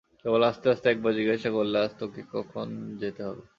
কেবল আস্তে আস্তে একবার জিজ্ঞাসা করলে, আজ তোকে কখন যেতে হবে?